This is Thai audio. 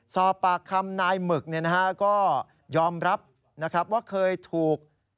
ซอปากคำนายหมึกก็ยอมรับว่าเคยถูก